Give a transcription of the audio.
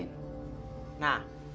nah sekarang lo tidur